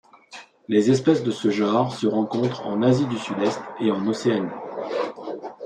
Les espèces de ce genre se rencontrent en Asie du Sud-Est et en Océanie.